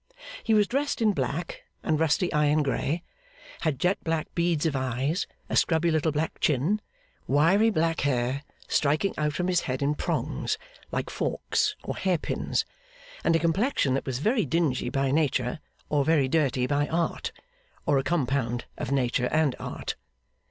He was dressed in black and rusty iron grey; had jet black beads of eyes; a scrubby little black chin; wiry black hair striking out from his head in prongs, like forks or hair pins; and a complexion that was very dingy by nature, or very dirty by art, or a compound of nature and art.